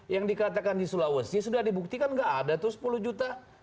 yang dikatakan di sulawesi sudah dibuktikan nggak ada tuh sepuluh juta